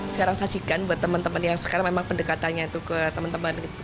sekarang sajikan buat teman teman yang sekarang memang pendekatannya itu ke teman teman